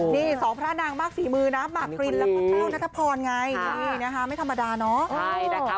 นี่สองพระนางมากฝีมือนะหมากปรินแล้วก็แต้วนัทพรไงนี่นะคะไม่ธรรมดาเนาะ